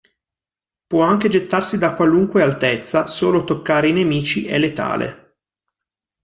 Può anche gettarsi da qualunque altezza, solo toccare i nemici è letale.